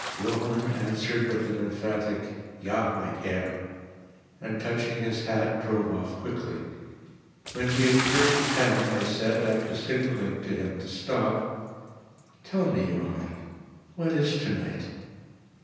Johann answered with an emphatic, "Ja, mein Herr," and, touching his hat, drove off quickly. When we had cleared the town, I said, after signalling to him to stop: "Tell me, Johann, what is tonight?"